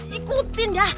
aduh ikutin dah